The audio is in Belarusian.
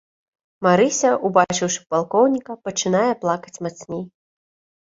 Марыся, убачыўшы палкоўніка, пачынае плакаць мацней.